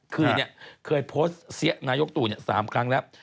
คือเคยโพสต์เสียนายกตู่๓ครั้งแล้ว